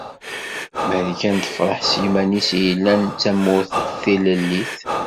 Marikan tefreḥ s yiman-is i yellan d tamurt tilellit.